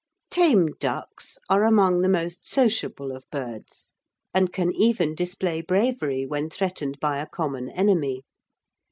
Tame ducks are among the most sociable of birds and can even display bravery when threatened by a common enemy.